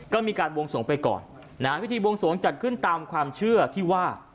ก็มีการบวงสวงไปก่อนนะฮะพิธีบวงสวงจัดขึ้นตามความเชื่อที่ว่า